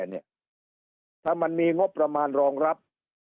แก้เนี่ยถ้ามันมีงบประมาณรองรับ